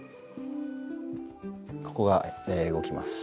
ここが動きます。